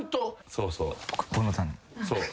・そうそう。